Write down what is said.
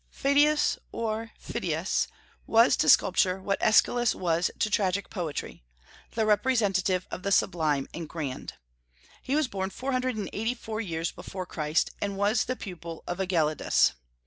Pheidias, or Phidias, was to sculpture what Aeschylus was to tragic poetry, the representative of the sublime and grand. He was born four hundred and eighty four years before Christ, and was the pupil of Ageladas.